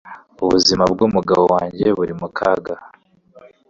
ubuzima bwumugabo wanjye buri mu kaga